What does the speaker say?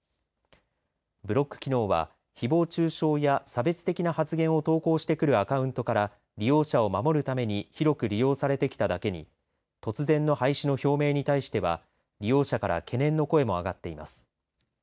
ブロック機能はひぼう中傷や差別的な発言を投稿してくるアカウントから利用者を守るために広く利用されてきただけに突然の廃止の表明に対しては利用者から懸念の声も上がっています。